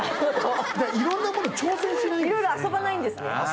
色んなもの挑戦しないんですね。